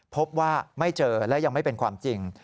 พบว่าไม่เจอและยังไม่เป็นความจริง